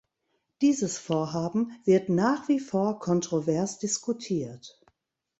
Dieses Vorhaben wird nach wie vor kontrovers diskutiert.